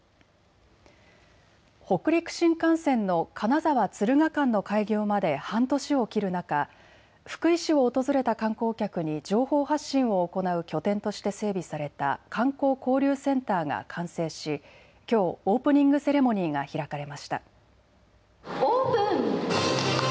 北陸新幹線の金沢・敦賀間の開業まで半年を切る中、福井市を訪れた観光客に情報発信を行う拠点として整備された観光交流センターが完成し、きょうオープニングセレモニーが開かれました。